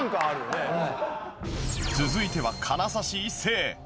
続いては金指一世。